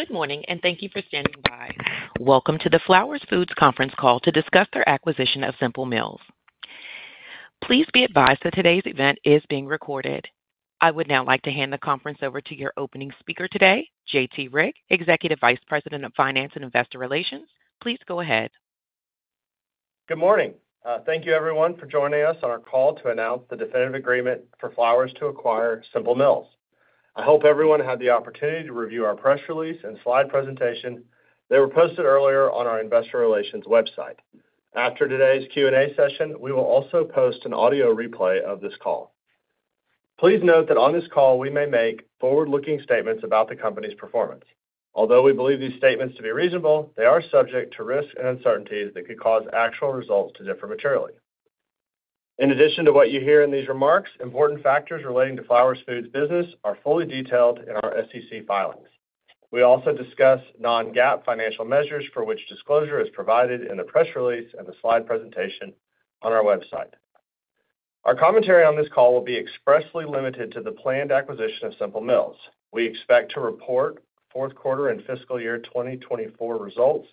Good morning, and thank you for standing by. Welcome to the Flowers Foods conference call to discuss their acquisition of Simple Mills. Please be advised that today's event is being recorded. I would now like to hand the conference over to your opening speaker today, J.T. Rieck, Executive Vice President of Finance and Investor Relations. Please go ahead. Good morning. Thank you, everyone, for joining us on our call to announce the definitive agreement for Flowers to acquire Simple Mills. I hope everyone had the opportunity to review our press release and slide presentation. They were posted earlier on our investor relations website. After today's Q&A session, we will also post an audio replay of this call. Please note that on this call, we may make forward-looking statements about the company's performance. Although we believe these statements to be reasonable, they are subject to risks and uncertainties that could cause actual results to differ materially. In addition to what you hear in these remarks, important factors relating to Flowers Foods' business are fully detailed in our SEC filings. We also discuss non-GAAP financial measures for which disclosure is provided in the press release and the slide presentation on our website. Our commentary on this call will be expressly limited to the planned acquisition of Simple Mills. We expect to report fourth quarter and fiscal year 2024 results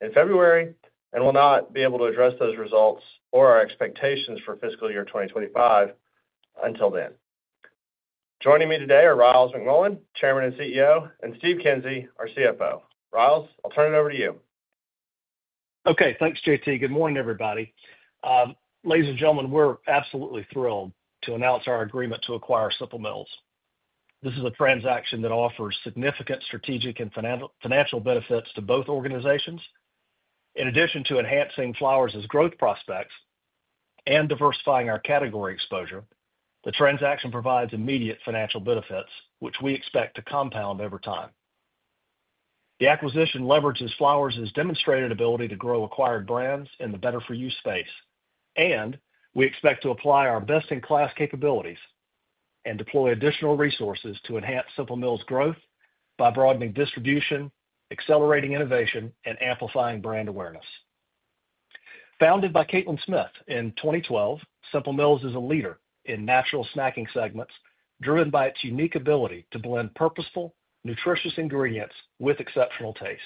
in February and will not be able to address those results or our expectations for fiscal year 2025 until then. Joining me today are Ryals McMullian, Chairman and CEO, and Steve Kinsey, our CFO. Ryals, I'll turn it over to you. Okay. Thanks, J.T. Good morning, everybody. Ladies and gentlemen, we're absolutely thrilled to announce our agreement to acquire Simple Mills. This is a transaction that offers significant strategic and financial benefits to both organizations. In addition to enhancing Flowers' growth prospects and diversifying our category exposure, the transaction provides immediate financial benefits, which we expect to compound over time. The acquisition leverages Flowers' demonstrated ability to grow acquired brands in the better-for-you space, and we expect to apply our best-in-class capabilities and deploy additional resources to enhance Simple Mills' growth by broadening distribution, accelerating innovation, and amplifying brand awareness. Founded by Katlin Smith in 2012, Simple Mills is a leader in natural snacking segments driven by its unique ability to blend purposeful, nutritious ingredients with exceptional taste.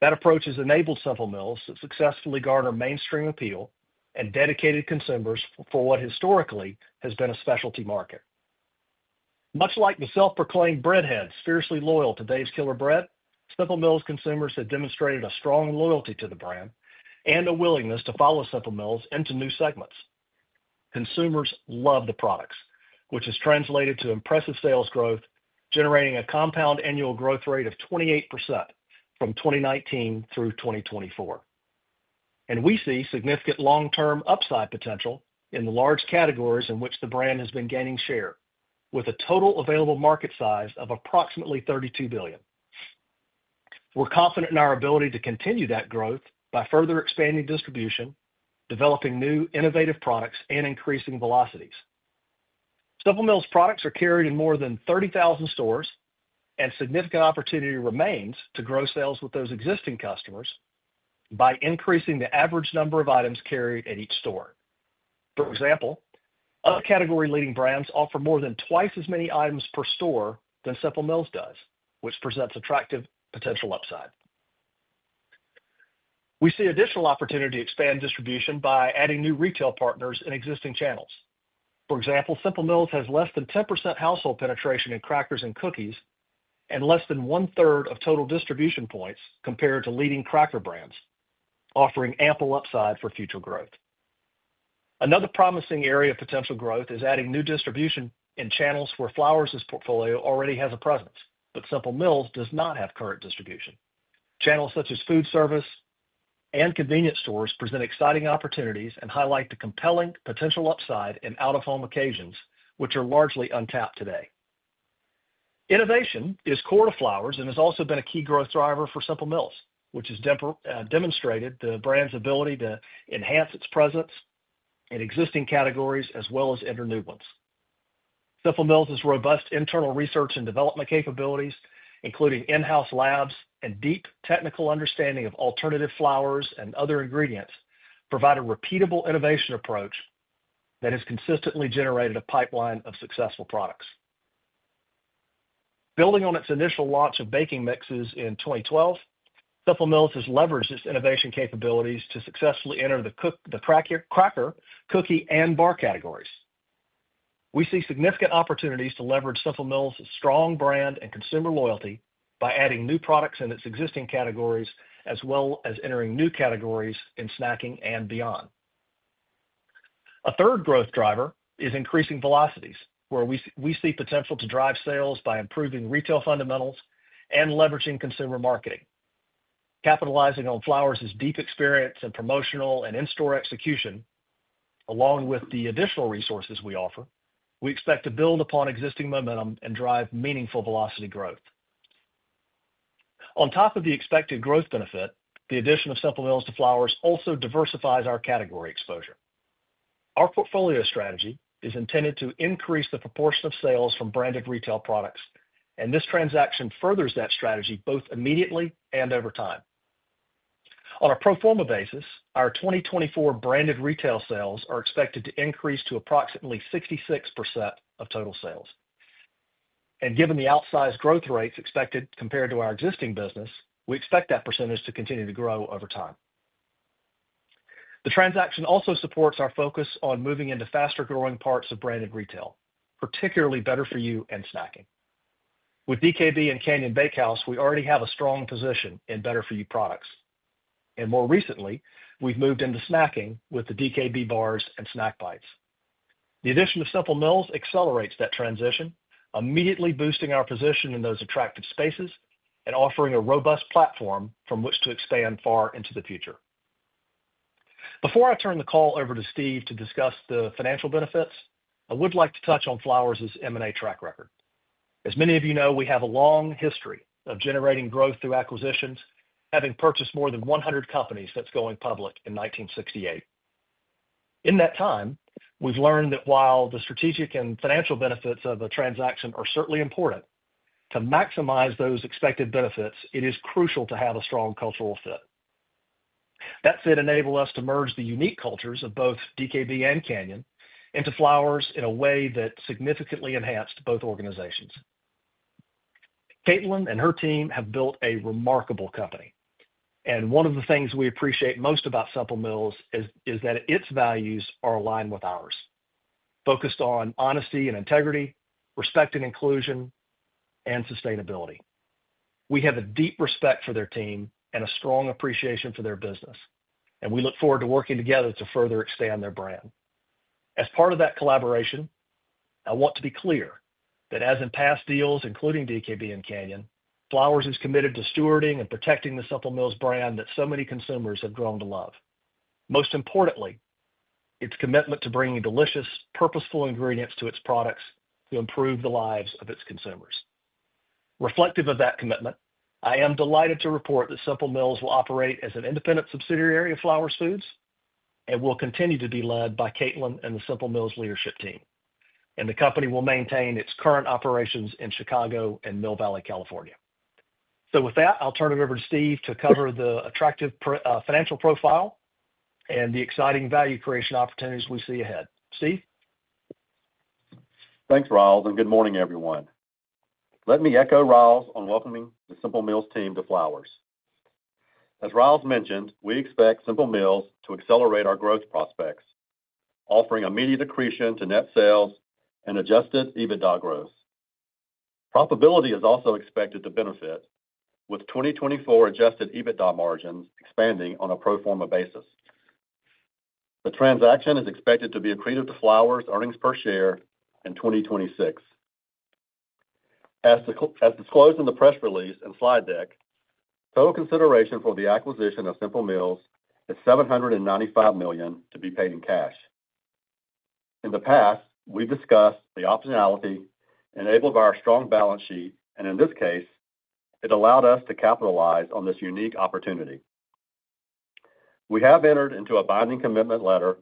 That approach has enabled Simple Mills to successfully garner mainstream appeal and dedicated consumers for what historically has been a specialty market. Much like the self-proclaimed breadheads fiercely loyal to Dave's Killer Bread, Simple Mills consumers have demonstrated a strong loyalty to the brand and a willingness to follow Simple Mills into new segments. Consumers love the products, which has translated to impressive sales growth, generating a compound annual growth rate of 28% from 2019 through 2024. We see significant long-term upside potential in the large categories in which the brand has been gaining share, with a total available market size of approximately $32 billion. We're confident in our ability to continue that growth by further expanding distribution, developing new innovative products, and increasing velocities. Simple Mills products are carried in more than 30,000 stores, and significant opportunity remains to grow sales with those existing customers by increasing the average number of items carried at each store. For example, other category-leading brands offer more than twice as many items per store than Simple Mills does, which presents attractive potential upside. We see additional opportunity to expand distribution by adding new retail partners in existing channels. For example, Simple Mills has less than 10% household penetration in crackers and cookies and less than one-third of total distribution points compared to leading cracker brands, offering ample upside for future growth. Another promising area of potential growth is adding new distribution in channels where Flowers' portfolio already has a presence, but Simple Mills does not have current distribution. Channels such as food service and convenience stores present exciting opportunities and highlight the compelling potential upside in out-of-home occasions, which are largely untapped today. Innovation is core to Flowers and has also been a key growth driver for Simple Mills, which has demonstrated the brand's ability to enhance its presence in existing categories as well as enter new ones. Simple Mills' robust internal research and development capabilities, including in-house labs and deep technical understanding of alternative flours and other ingredients, provide a repeatable innovation approach that has consistently generated a pipeline of successful products. Building on its initial launch of baking mixes in 2012, Simple Mills has leveraged its innovation capabilities to successfully enter the cracker, cookie, and bar categories. We see significant opportunities to leverage Simple Mills' strong brand and consumer loyalty by adding new products in its existing categories as well as entering new categories in snacking and beyond. A third growth driver is increasing velocities, where we see potential to drive sales by improving retail fundamentals and leveraging consumer marketing. Capitalizing on Flowers' deep experience in promotional and in-store execution, along with the additional resources we offer, we expect to build upon existing momentum and drive meaningful velocity growth. On top of the expected growth benefit, the addition of Simple Mills to Flowers also diversifies our category exposure. Our portfolio strategy is intended to increase the proportion of sales from branded retail products, and this transaction furthers that strategy both immediately and over time. On a pro forma basis, our 2024 branded retail sales are expected to increase to approximately 66% of total sales, and given the outsized growth rates expected compared to our existing business, we expect that percentage to continue to grow over time. The transaction also supports our focus on moving into faster-growing parts of branded retail, particularly better-for-you and snacking. With DKB and Canyon Bakehouse, we already have a strong position in better-for-you products. And more recently, we've moved into snacking with the DKB bars and snack bites. The addition of Simple Mills accelerates that transition, immediately boosting our position in those attractive spaces and offering a robust platform from which to expand far into the future. Before I turn the call over to Steve to discuss the financial benefits, I would like to touch on Flowers' M&A track record. As many of you know, we have a long history of generating growth through acquisitions, having purchased more than 100 companies since going public in 1968. In that time, we've learned that while the strategic and financial benefits of a transaction are certainly important, to maximize those expected benefits, it is crucial to have a strong cultural fit. That fit enabled us to merge the unique cultures of both DKB and Canyon into Flowers in a way that significantly enhanced both organizations. Katlin and her team have built a remarkable company. One of the things we appreciate most about Simple Mills is that its values are aligned with ours, focused on honesty and integrity, respect and inclusion, and sustainability. We have a deep respect for their team and a strong appreciation for their business, and we look forward to working together to further expand their brand. As part of that collaboration, I want to be clear that as in past deals, including DKB and Canyon, Flowers is committed to stewarding and protecting the Simple Mills brand that so many consumers have grown to love. Most importantly, its commitment to bringing delicious, purposeful ingredients to its products to improve the lives of its consumers. Reflective of that commitment, I am delighted to report that Simple Mills will operate as an independent subsidiary of Flowers Foods and will continue to be led by Katlin and the Simple Mills leadership team. And the company will maintain its current operations in Chicago and Mill Valley, California. So with that, I'll turn it over to Steve to cover the attractive financial profile and the exciting value creation opportunities we see ahead. Steve? Thanks, Ryals, and good morning, everyone. Let me echo Ryals on welcoming the Simple Mills team to Flowers. As Ryals mentioned, we expect Simple Mills to accelerate our growth prospects, offering immediate accretion to net sales and Adjusted EBITDA growth. Profitability is also expected to benefit, with 2024 Adjusted EBITDA margins expanding on a pro forma basis. The transaction is expected to be accretive to Flowers' earnings per share in 2026. As disclosed in the press release and slide deck, total consideration for the acquisition of Simple Mills is $795 million to be paid in cash. In the past, we've discussed the optionality enabled by our strong balance sheet, and in this case, it allowed us to capitalize on this unique opportunity. We have entered into a binding commitment letter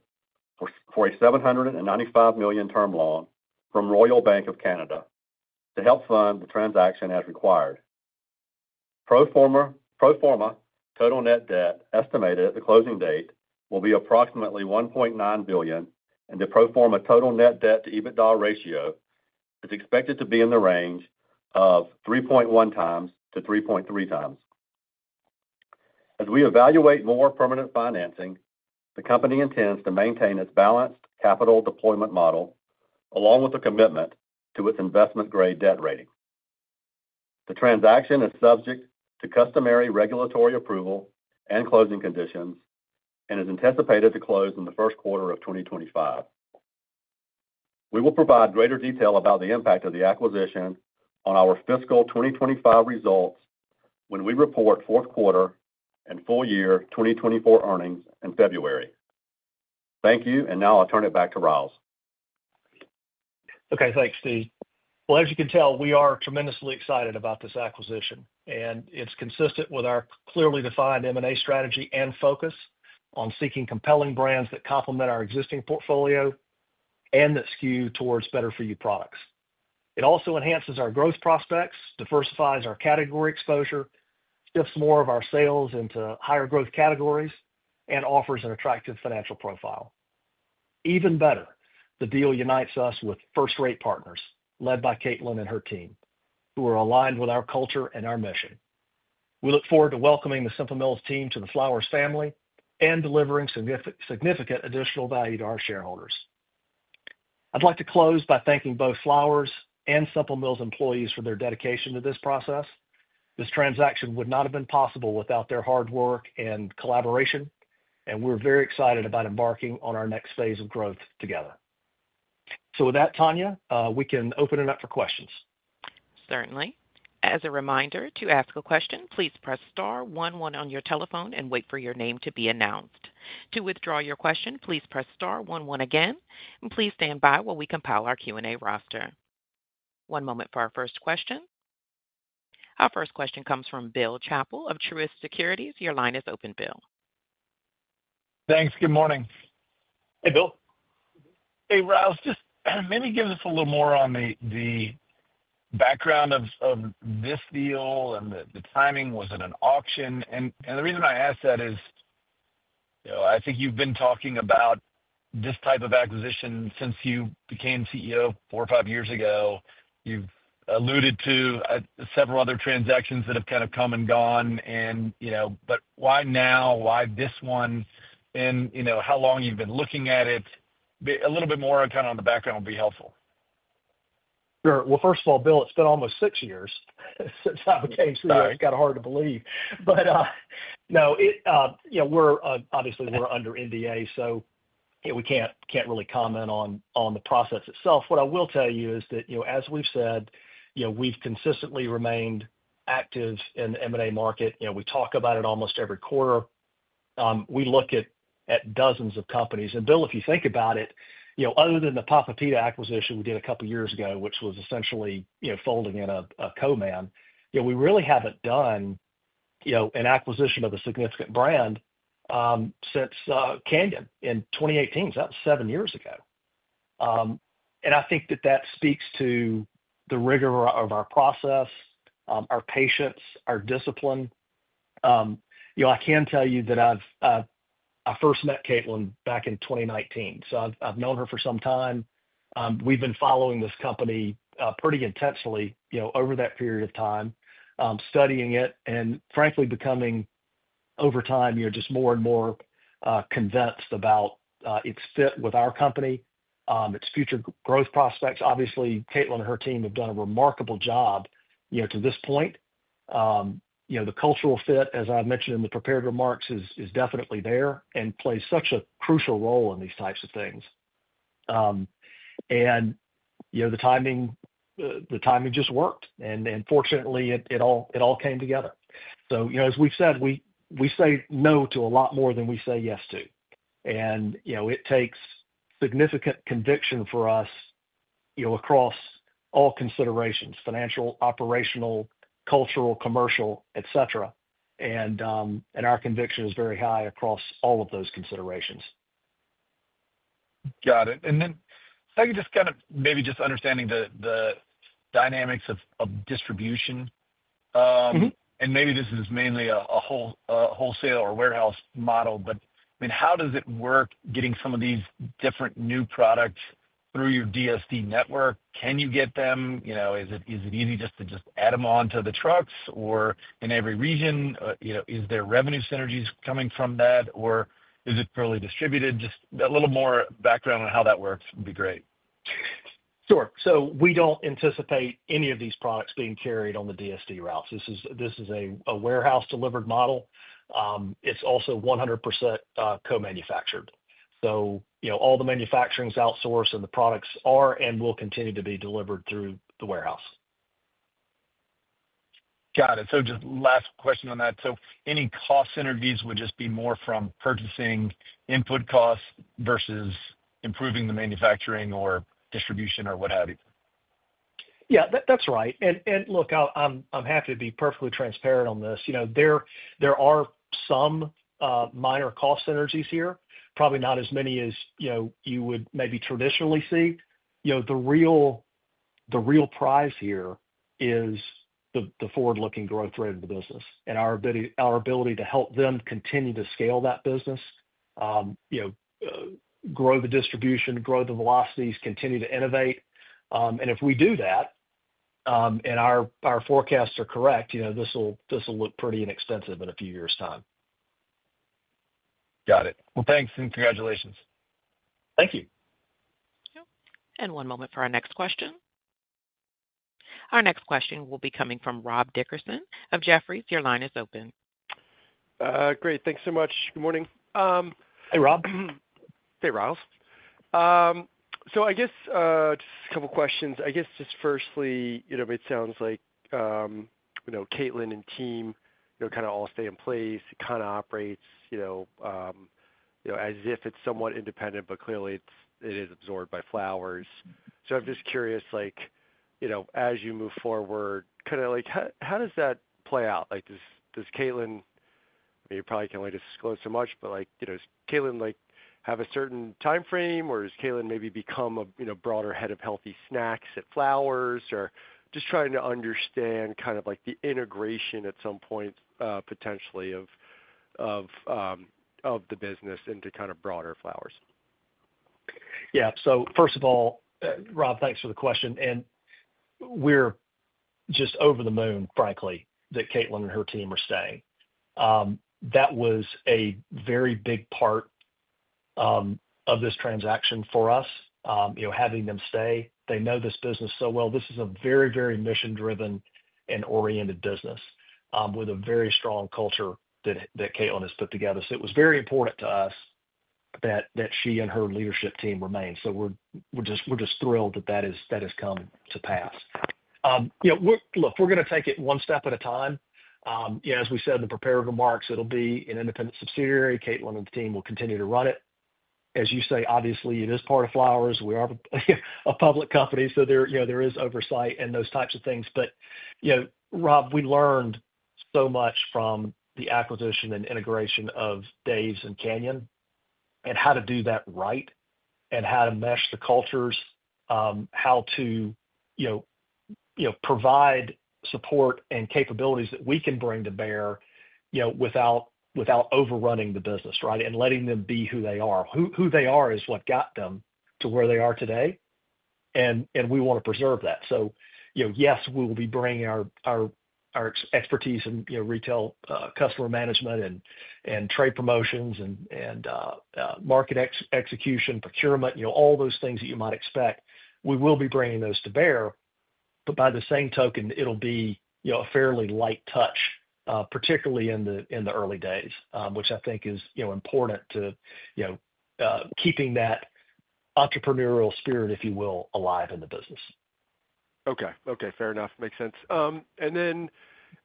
for a $795 million term loan from Royal Bank of Canada to help fund the transaction as required. Pro forma total net debt estimated at the closing date will be approximately $1.9 billion, and the pro forma total net debt to EBITDA ratio is expected to be in the range of 3.1-3.3 times. As we evaluate more permanent financing, the company intends to maintain its balanced capital deployment model along with a commitment to its investment-grade debt rating. The transaction is subject to customary regulatory approval and closing conditions and is anticipated to close in the first quarter of 2025. We will provide greater detail about the impact of the acquisition on our fiscal 2025 results when we report fourth quarter and full year 2024 earnings in February. Thank you, and now I'll turn it back to Ryals. Okay. Thanks, Steve. Well, as you can tell, we are tremendously excited about this acquisition, and it's consistent with our clearly defined M&A strategy and focus on seeking compelling brands that complement our existing portfolio and that skew towards better-for-you products. It also enhances our growth prospects, diversifies our category exposure, shifts more of our sales into higher growth categories, and offers an attractive financial profile. Even better, the deal unites us with first-rate partners led by Katlin and her team, who are aligned with our culture and our mission. We look forward to welcoming the Simple Mills team to the Flowers family and delivering significant additional value to our shareholders. I'd like to close by thanking both Flowers and Simple Mills employees for their dedication to this process. This transaction would not have been possible without their hard work and collaboration, and we're very excited about embarking on our next phase of growth together. So with that, Tanya, we can open it up for questions. Certainly. As a reminder, to ask a question, please press star 11 on your telephone and wait for your name to be announced. To withdraw your question, please press star 11 again, and please stand by while we compile our Q&A roster. One moment for our first question. Our first question comes from Bill Chappell of Truist Securities. Your line is open, Bill. Thanks. Good morning. Hey, Bill. Hey, Ryals. Just maybe give us a little more on the background of this deal and the timing. Was it an auction? And the reason I ask that is I think you've been talking about this type of acquisition since you became CEO four or five years ago. You've alluded to several other transactions that have kind of come and gone. But why now? Why this one? And how long you've been looking at it? A little bit more kind of on the background would be helpful. Sure, well, first of all, Bill, it's been almost six years since I became CEO. It's kind of hard to believe. But no, obviously, we're under NDA, so we can't really comment on the process itself. What I will tell you is that, as we've said, we've consistently remained active in the M&A market. We talk about it almost every quarter. We look at dozens of companies, and Bill, if you think about it, other than the Papa Pita acquisition we did a couple of years ago, which was essentially folding in a co-man, we really haven't done an acquisition of a significant brand since Canyon in 2018, so that was seven years ago, and I think that that speaks to the rigor of our process, our patience, our discipline. I can tell you that I first met Katlin back in 2019, so I've known her for some time. We've been following this company pretty intensely over that period of time, studying it, and frankly, becoming over time just more and more convinced about its fit with our company, its future growth prospects. Obviously, Katlin and her team have done a remarkable job to this point. The cultural fit, as I mentioned in the prepared remarks, is definitely there and plays such a crucial role in these types of things, and the timing just worked, and fortunately, it all came together, so as we've said, we say no to a lot more than we say yes to, and it takes significant conviction for us across all considerations: financial, operational, cultural, commercial, etc., and our conviction is very high across all of those considerations. Got it. And then I think just kind of maybe just understanding the dynamics of distribution. And maybe this is mainly a wholesale or warehouse model, but I mean, how does it work getting some of these different new products through your DSD network? Can you get them? Is it easy just to add them onto the trucks? Or in every region, is there revenue synergies coming from that? Or is it purely distributed? Just a little more background on how that works would be great. Sure. So we don't anticipate any of these products being carried on the DSD routes. This is a warehouse-delivered model. It's also 100% co-manufactured. So all the manufacturing is outsourced, and the products are and will continue to be delivered through the warehouse. Got it. So just last question on that. So any cost synergies would just be more from purchasing input costs versus improving the manufacturing or distribution or what have you? Yeah, that's right. And look, I'm happy to be perfectly transparent on this. There are some minor cost synergies here, probably not as many as you would maybe traditionally see. The real prize here is the forward-looking growth rate of the business and our ability to help them continue to scale that business, grow the distribution, grow the velocities, continue to innovate. And if we do that, and our forecasts are correct, this will look pretty inexpensive in a few years' time. Got it. Well, thanks and congratulations. Thank you. One moment for our next question. Our next question will be coming from Rob Dickerson of Jefferies. Your line is open. Great. Thanks so much. Good morning. Hey, Rob. Hey, Ryals. So I guess just a couple of questions. I guess just firstly, it sounds like Katlin and team kind of all stay in place. It kind of operates as if it's somewhat independent, but clearly, it is absorbed by Flowers. So I'm just curious, as you move forward, kind of how does that play out? Does Katlin—I mean, you probably can't really disclose so much—but does Katlin have a certain time frame, or has Katlin maybe become a broader head of Healthy Snacks at Flowers? Or just trying to understand kind of the integration at some point, potentially, of the business into kind of broader Flowers. Yeah. So first of all, Rob, thanks for the question, and we're just over the moon, frankly, that Katlin and her team are staying. That was a very big part of this transaction for us, having them stay. They know this business so well. This is a very, very mission-driven and oriented business with a very strong culture that Katlin has put together. So it was very important to us that she and her leadership team remain. So we're just thrilled that that has come to pass. Look, we're going to take it one step at a time. As we said in the prepared remarks, it'll be an independent subsidiary. Katlin and the team will continue to run it. As you say, obviously, it is part of Flowers. We are a public company, so there is oversight and those types of things. But Rob, we learned so much from the acquisition and integration of Dave's and Canyon and how to do that right and how to mesh the cultures, how to provide support and capabilities that we can bring to bear without overrunning the business, right, and letting them be who they are. Who they are is what got them to where they are today, and we want to preserve that. So yes, we will be bringing our expertise in retail customer management and trade promotions and market execution, procurement, all those things that you might expect. We will be bringing those to bear, but by the same token, it'll be a fairly light touch, particularly in the early days, which I think is important to keeping that entrepreneurial spirit, if you will, alive in the business. Okay. Okay. Fair enough. Makes sense. And then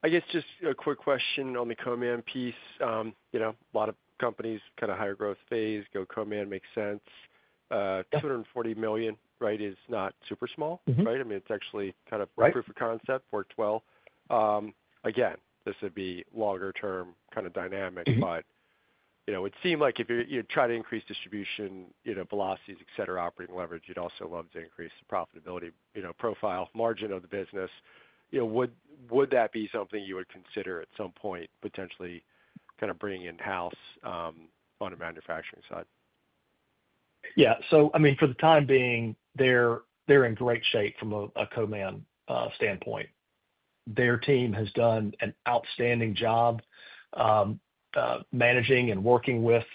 I guess just a quick question on the co-man piece. A lot of companies kind of higher growth phase go co-man. Makes sense. $240 million, right, is not super small, right? I mean, it's actually kind of proof of concept, worked well. Again, this would be longer-term kind of dynamic, but it seemed like if you try to increase distribution velocities, etc., operating leverage, you'd also love to increase the profitability profile margin of the business. Would that be something you would consider at some point potentially kind of bringing in-house on the manufacturing side? Yeah, so I mean, for the time being, they're in great shape from a co-man standpoint. Their team has done an outstanding job managing and working with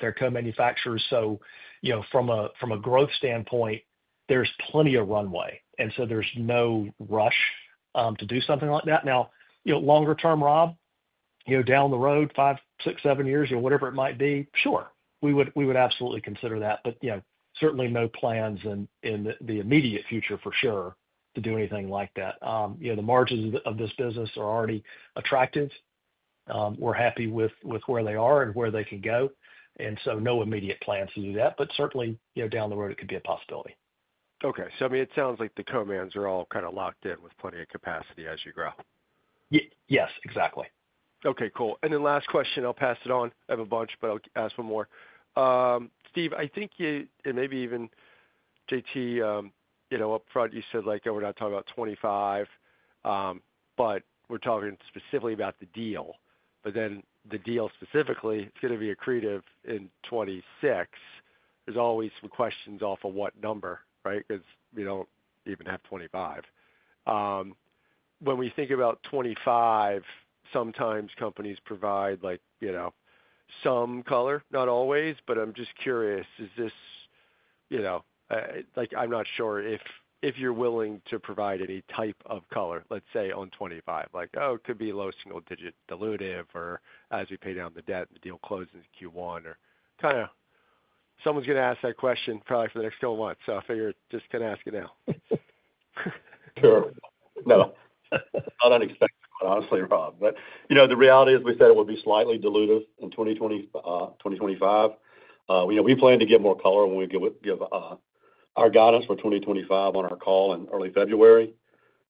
their co-manufacturers, so from a growth standpoint, there's plenty of runway, and so there's no rush to do something like that. Now, longer-term, Rob, down the road, five, six, seven years, or whatever it might be, sure, we would absolutely consider that, but certainly no plans in the immediate future for sure to do anything like that. The margins of this business are already attractive. We're happy with where they are and where they can go, and so no immediate plans to do that, but certainly, down the road, it could be a possibility. Okay. So I mean, it sounds like the co-mans are all kind of locked in with plenty of capacity as you grow. Yes, exactly. Okay. Cool. And then last question, I'll pass it on. I have a bunch, but I'll ask one more. Steve, I think, and maybe even JT, upfront, you said we're not talking about 2025, but we're talking specifically about the deal. But then the deal specifically, it's going to be accretive in 2026. There's always some questions off of what number, right, because we don't even have 2025. When we think about 2025, sometimes companies provide some color, not always, but I'm just curious, is this, I'm not sure if you're willing to provide any type of color, let's say, on 2025. Like, "Oh, it could be low single-digit dilutive," or, "As we pay down the debt, the deal closes in Q1," or kind of someone's going to ask that question probably for the next couple of months. So I figured just going to ask it now. Sure. No, not unexpected, honestly, Rob. But the reality is, we said it would be slightly dilutive in 2025. We plan to get more color when we give our guidance for 2025 on our call in early February.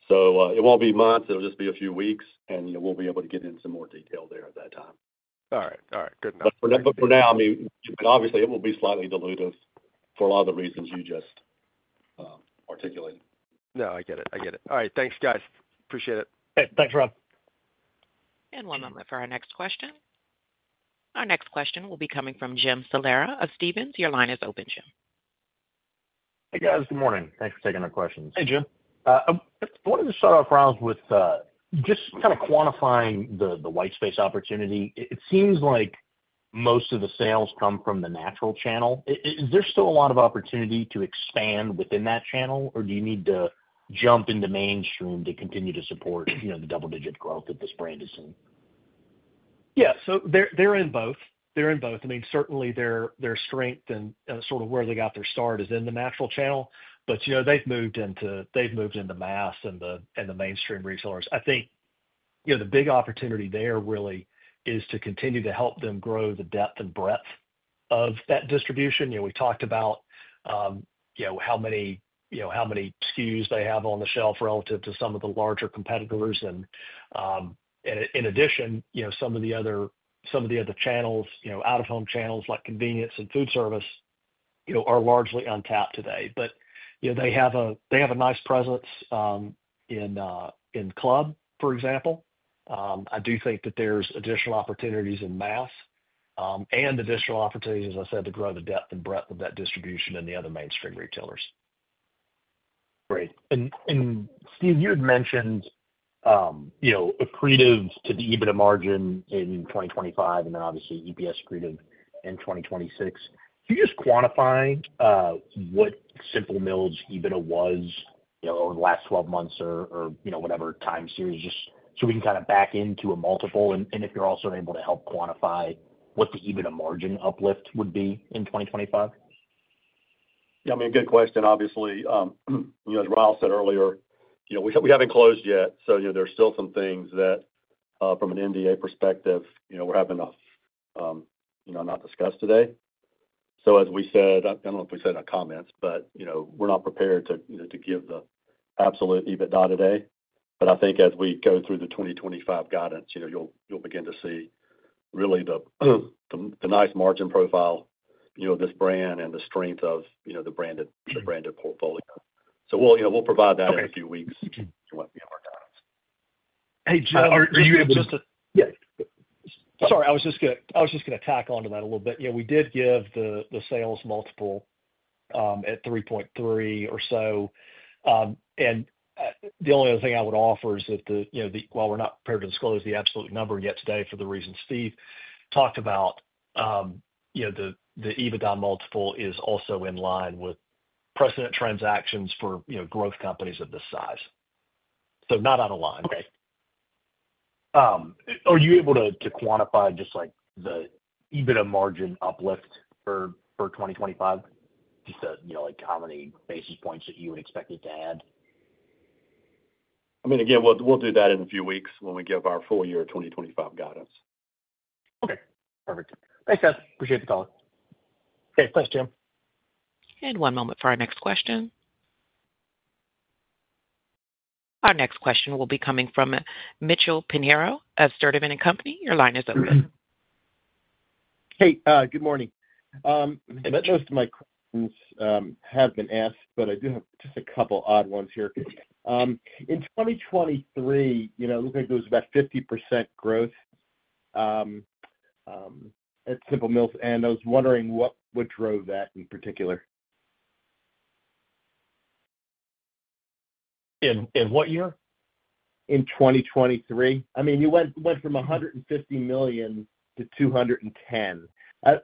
So it won't be months. It'll just be a few weeks, and we'll be able to get into more detail there at that time. All right. All right. Good enough. But for now, I mean, obviously, it will be slightly dilutive for a lot of the reasons you just articulated. No, I get it. I get it. All right. Thanks, guys. Appreciate it. Thanks, Rob. One moment for our next question. Our next question will be coming from Jim Salera of Stephens. Your line is open, Jim. Hey, guys. Good morning. Thanks for taking our questions. Hey, Jim. I wanted to start off, Ryals, with just kind of quantifying the white space opportunity. It seems like most of the sales come from the natural channel. Is there still a lot of opportunity to expand within that channel, or do you need to jump into mainstream to continue to support the double-digit growth that this brand is seeing? Yeah. They're in both. They're in both. I mean, certainly, their strength and sort of where they got their start is in the natural channel, but they've moved into mass and the mainstream retailers. I think the big opportunity there really is to continue to help them grow the depth and breadth of that distribution. We talked about how many SKUs they have on the shelf relative to some of the larger competitors. And in addition, some of the other channels, out-of-home channels like convenience and food service, are largely untapped today. But they have a nice presence in club, for example. I do think that there's additional opportunities in mass and additional opportunities, as I said, to grow the depth and breadth of that distribution and the other mainstream retailers. Great. And Steve, you had mentioned accretive to the EBITDA margin in 2025 and then obviously EPS accretive in 2026. Can you just quantify what Simple Mills' EBITDA was over the last 12 months or whatever time series just so we can kind of back into a multiple? And if you're also able to help quantify what the EBITDA margin uplift would be in 2025? Yeah. I mean, good question. Obviously, as Ryals said earlier, we haven't closed yet. So there's still some things that, from an NDA perspective, we're having to not discuss today. So as we said, I don't know if we said in our comments, but we're not prepared to give the absolute EBITDA today. But I think as we go through the 2025 guidance, you'll begin to see really the nice margin profile of this brand and the strength of the branded portfolio. So we'll provide that in a few weeks when we have our guidance. Hey, Jim. Are you able to—yeah. Sorry, I was just going to tack on to that a little bit. Yeah, we did give the sales multiple at 3.3 or so. And the only other thing I would offer is that while we're not prepared to disclose the absolute number yet today for the reasons Steve talked about, the EBITDA multiple is also in line with precedent transactions for growth companies of this size. So not out of line. Okay. Are you able to quantify just the EBITDA margin uplift for 2025? Just how many basis points that you would expect it to add? I mean, again, we'll do that in a few weeks when we give our full-year 2025 guidance. Okay. Perfect. Thanks, guys. Appreciate the call. Okay. Thanks, Jim. One moment for our next question. Our next question will be coming from Mitchell Pinheiro of Sturdivant & Company. Your line is open. Hey, good morning. Most of my questions have been asked, but I do have just a couple of odd ones here. In 2023, it looked like there was about 50% growth at Simple Mills, and I was wondering what drove that in particular. In what year? In 2023. I mean, you went from $150 million to $210 million.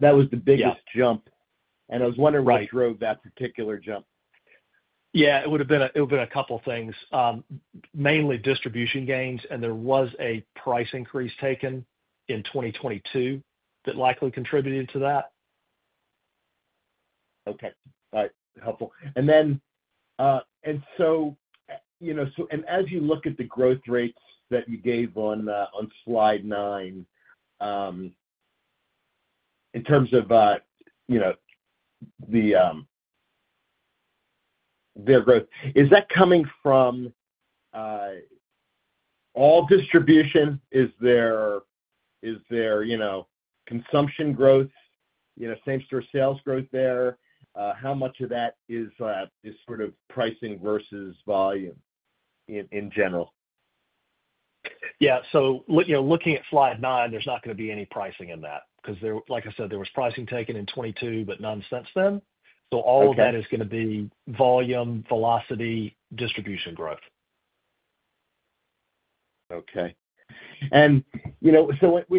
That was the biggest jump. And I was wondering what drove that particular jump. Yeah. It would have been a couple of things, mainly distribution gains, and there was a price increase taken in 2022 that likely contributed to that. Okay. All right. Helpful. And then—and so—and as you look at the growth rates that you gave on slide nine in terms of their growth, is that coming from all distribution? Is there consumption growth, same-store sales growth there? How much of that is sort of pricing versus volume in general? Yeah. So looking at slide nine, there's not going to be any pricing in that because, like I said, there was pricing taken in 2022, but none since then. So all of that is going to be volume, velocity, distribution growth. Okay. And so if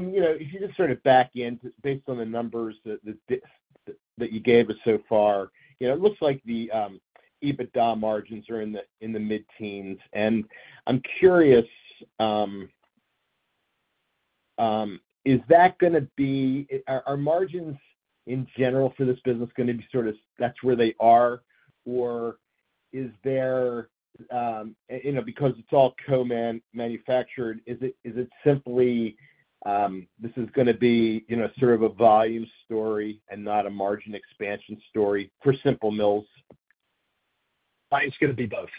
you just sort of back in, based on the numbers that you gave us so far, it looks like the EBITDA margins are in the mid-teens. And I'm curious, is that going to be, are margins in general for this business going to be sort of that's where they are, or is there, because it's all co-manufactured, is it simply this is going to be sort of a volume story and not a margin expansion story for Simple Mills? It's going to be both.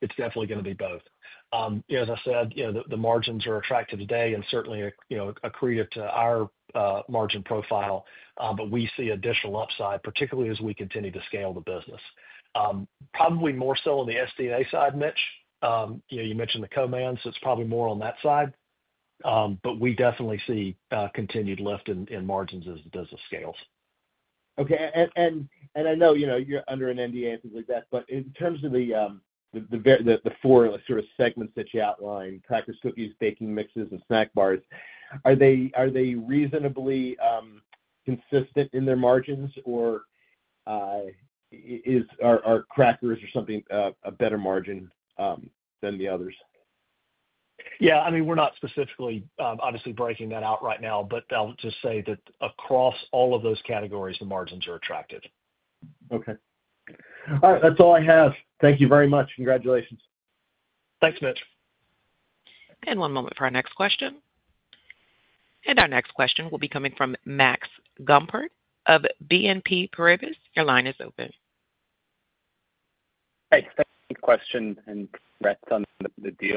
It's definitely going to be both. As I said, the margins are attractive today and certainly accretive to our margin profile, but we see additional upside, particularly as we continue to scale the business. Probably more so on the SD&A side, Mitch. You mentioned the co-mans, so it's probably more on that side. But we definitely see continued lift in margins as the business scales. Okay. And I know you're under an NDA and things like that, but in terms of the four sort of segments that you outlined, crackers, cookies, baking mixes, and snack bars, are they reasonably consistent in their margins, or are crackers or something a better margin than the others? Yeah. I mean, we're not specifically, obviously, breaking that out right now, but I'll just say that across all of those categories, the margins are attractive. Okay. All right. That's all I have. Thank you very much. Congratulations. Thanks, Mitch. One moment for our next question. Our next question will be coming from Max Gumport of BNP Paribas. Your line is open. Hey. Thanks for the question and congrats on the deal.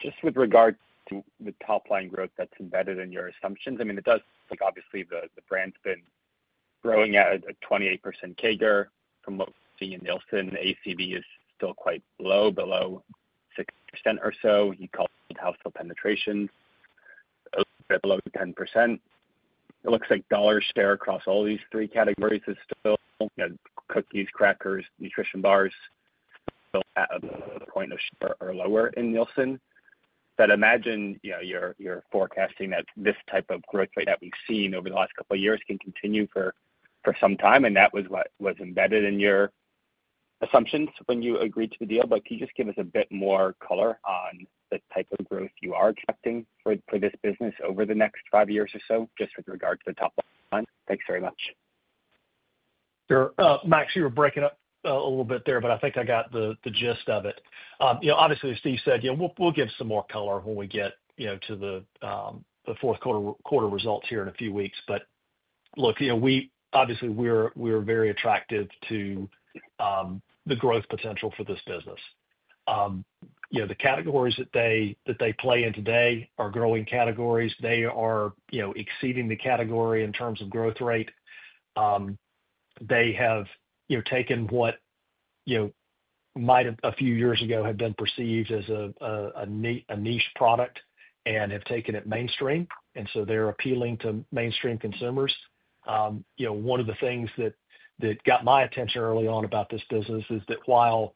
Just with regard to the top-line growth that's embedded in your assumptions, I mean, it does, obviously, the brand's been growing at a 28% CAGR from what we're seeing in Nielsen. ACV is still quite low, below 6% or so. You called it household penetration, a little bit below 10%. It looks like dollar share across all these three categories is still, cookies, crackers, nutrition bars, still at a point of share or lower in Nielsen. But imagine you're forecasting that this type of growth rate that we've seen over the last couple of years can continue for some time, and that was what was embedded in your assumptions when you agreed to the deal. But can you just give us a bit more color on the type of growth you are expecting for this business over the next five years or so, just with regard to the top line? Thanks very much. Sure. Max, you were breaking up a little bit there, but I think I got the gist of it. Obviously, as Steve said, we'll give some more color when we get to the fourth-quarter results here in a few weeks. But look, obviously, we're very attractive to the growth potential for this business. The categories that they play in today are growing categories. They are exceeding the category in terms of growth rate. They have taken what might have a few years ago have been perceived as a niche product and have taken it mainstream. And so they're appealing to mainstream consumers. One of the things that got my attention early on about this business is that while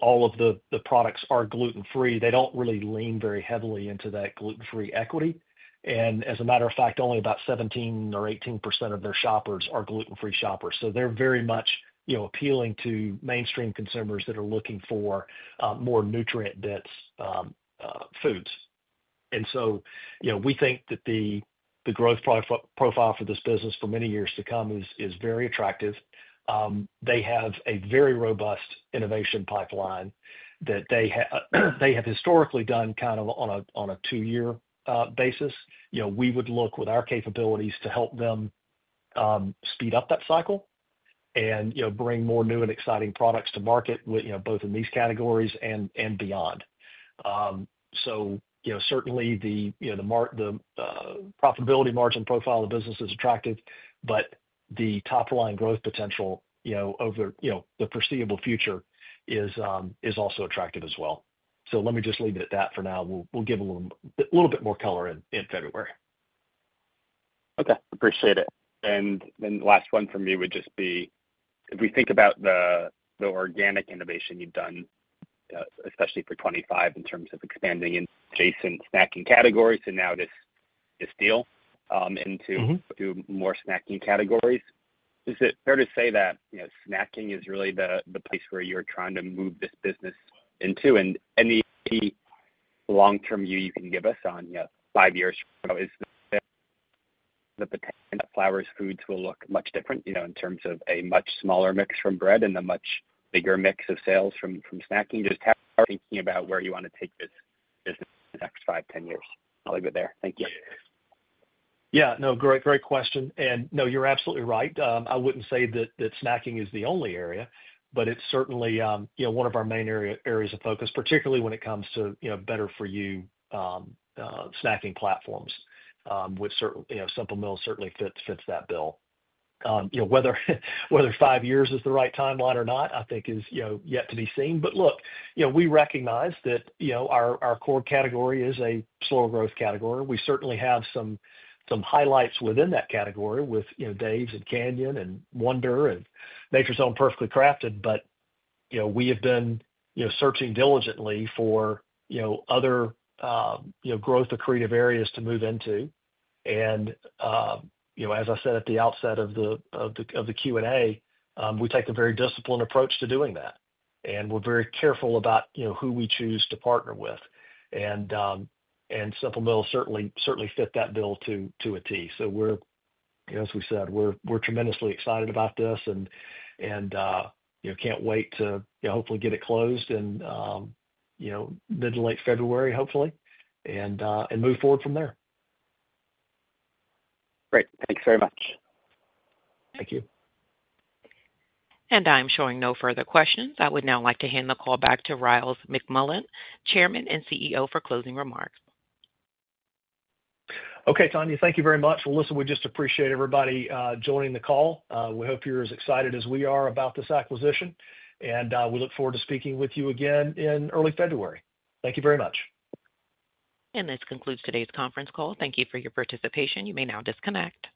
all of the products are gluten-free, they don't really lean very heavily into that gluten-free equity. As a matter of fact, only about 17% or 18% of their shoppers are gluten-free shoppers. So they're very much appealing to mainstream consumers that are looking for more nutrient-dense foods. And so we think that the growth profile for this business for many years to come is very attractive. They have a very robust innovation pipeline that they have historically done kind of on a two-year basis. We would look with our capabilities to help them speed up that cycle and bring more new and exciting products to market both in these categories and beyond. So certainly, the profitability margin profile of the business is attractive, but the top-line growth potential over the foreseeable future is also attractive as well. So let me just leave it at that for now. We'll give a little bit more color in February. Okay. Appreciate it. And then the last one for me would just be if we think about the organic innovation you've done, especially for 2025, in terms of expanding in adjacent snacking categories and now this deal into more snacking categories, is it fair to say that snacking is really the place where you're trying to move this business into? And any long-term view you can give us on five years from now, is the potential that Flowers Foods will look much different in terms of a much smaller mix from bread and a much bigger mix of sales from snacking? Just how are you thinking about where you want to take this business in the next five, 10 years? I'll leave it there. Thank you. Yeah. No, great question. And no, you're absolutely right. I wouldn't say that snacking is the only area, but it's certainly one of our main areas of focus, particularly when it comes to better-for-you snacking platforms, which Simple Mills certainly fits that bill. Whether five years is the right timeline or not, I think, is yet to be seen. But look, we recognize that our core category is a slower-growth category. We certainly have some highlights within that category with Dave's and Canyon and Wonder and Nature's Own Perfectly Crafted, but we have been searching diligently for other growth-accretive areas to move into. And as I said at the outset of the Q&A, we take a very disciplined approach to doing that. And we're very careful about who we choose to partner with. And Simple Mills certainly fit that bill to a T. So as we said, we're tremendously excited about this and can't wait to hopefully get it closed in mid to late February, hopefully, and move forward from there. Great. Thanks very much. Thank you. I'm showing no further questions. I would now like to hand the call back to Ryals McMullian, Chairman and CEO, for closing remarks. Okay, Tanya, thank you very much. Listen, we just appreciate everybody joining the call. We hope you're as excited as we are about this acquisition, and we look forward to speaking with you again in early February. Thank you very much. This concludes today's conference call. Thank you for your participation. You may now disconnect.